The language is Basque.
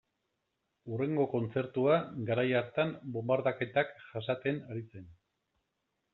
Hurrengo kontzertua garai hartan bonbardaketak jasaten ari zen.